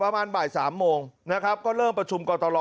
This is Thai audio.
ประมาณบ่ายสามโมงนะครับก็เริ่มประชุมกรตลอ